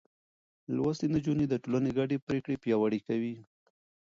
لوستې نجونې د ټولنې ګډې پرېکړې پياوړې کوي.